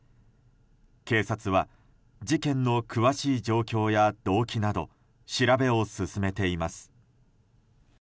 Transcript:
警察は事件の詳しい状況や動機など、調べを進めています。